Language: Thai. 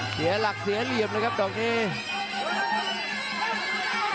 เสียหลักเสียเหลี่ยมเลยครับดอกนี้